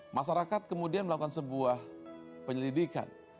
masyarakat kemudian melakukan sebuah penyelidikan